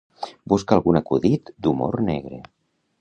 Busca algun acudit d'humor negre.